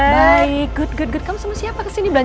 next time lah aku bikin